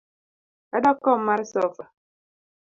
Adwa kom mar sofa.